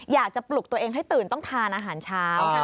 ปลุกตัวเองให้ตื่นต้องทานอาหารเช้า